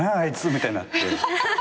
みたいになって。